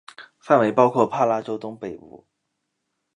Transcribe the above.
范围包括帕拉州东北部。